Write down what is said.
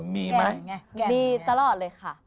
มีไหมมีตลอดเลยค่ะ